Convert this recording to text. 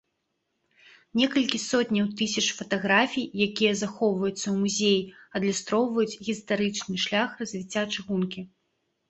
Некалькі сотняў тысяч фатаграфій, якія захоўваюцца ў музеі, адлюстроўваюць гістарычны шлях развіцця чыгункі.